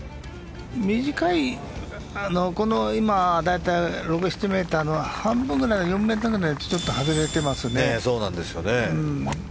短い大体６７ｍの半分ぐらいの４ｍくらいが外れてますね。